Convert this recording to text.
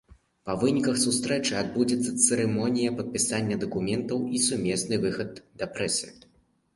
Па выніках сустрэчы адбудзецца цырымонія падпісання дакументаў і сумесны выхад да прэсы.